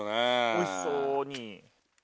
おいしそうに。